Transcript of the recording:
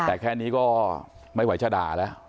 แต่แค่นี้ก็ไม่ไหวจะด่าแล้ว